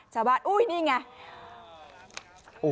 ชาวบ้านอุ๊ยนี่ไง